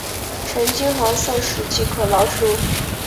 呈金黄色时即可捞出。